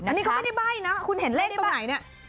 อันนี้ก็ไม่ได้ใบ้นะคุณเห็นเลขตรงไหนเนี่ย